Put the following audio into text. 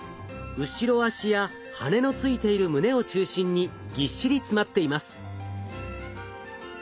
後ろ脚や羽のついている胸を中心にぎっしり詰まっています。